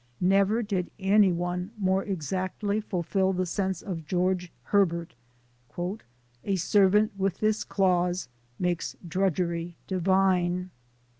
Never did any one more exactly fulfill the sense of George Herbert "A servant with this clause Makes drudgery divine."